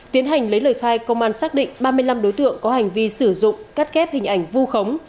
tiến hành lấy lời khai công an xác định ba mươi năm đối tượng có hành vi sử dụng cắt ghép hình ảnh vu khống